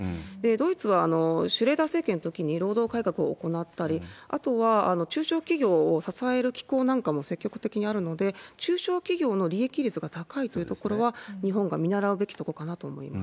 ドイツはシュレーダー政権のときに労働改革を行ったり、あとは中小企業を支える機構なんかも積極的にあるので、中小企業の利益率が高いというところは、日本が見習うべきとこかなと思います。